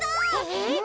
えっ？